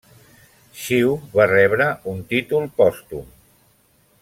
Xiu va rebre un títol pòstum.